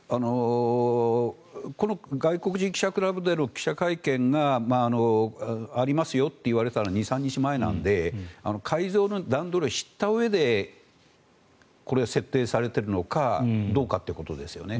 この外国人記者クラブでの記者会見がありますよって言われたのは２３日前なので改造の段取りを知ったうえでこれを設定されているのかどうかということですよね。